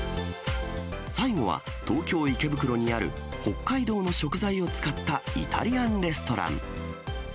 最後は東京・池袋にある、北海道の食材を使ったイタリアンレストラン。